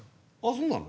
そうなの？